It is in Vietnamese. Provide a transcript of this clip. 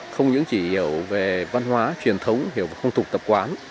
không những chỉ hiểu về văn hóa truyền thống hiểu về phong tục tập quán